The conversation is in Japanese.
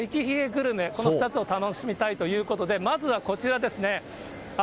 グルメ、この２つを楽しみたいということで、まずはこちらですね。